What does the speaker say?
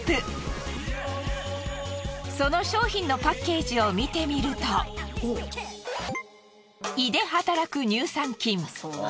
その商品のパッケージを見てみると「胃で働く乳酸菌」。